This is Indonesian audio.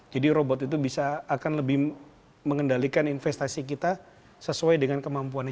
jadi robot itu bisa akan lebih mengendalikan investasi kita sesuai dengan kemampuannya